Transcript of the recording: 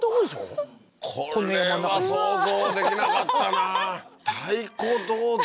これは想像できなかったな太鼓道場？